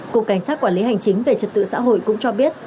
cục cảnh sát quản lý hành chính về trật tự xã hội cũng cho biết